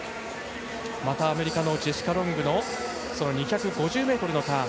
アメリカのジェシカ・ロングの２５０ｍのターン。